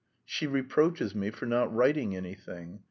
She reproaches me for not writing anything.